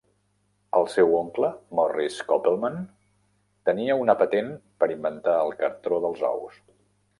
El seu oncle, Morris Koppelman, tenia una patent per inventar el cartró dels ous.